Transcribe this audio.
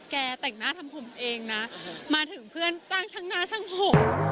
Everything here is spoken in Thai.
แต่งหน้าทำผมเองนะมาถึงเพื่อนจ้างช่างหน้าช่างผม